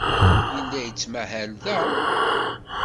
Yella yettmahal da.